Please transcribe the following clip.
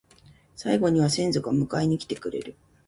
最期には先祖が迎えに来てくれる